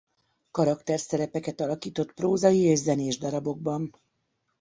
Karakterszerepeket alakított prózai és zenés darabokban.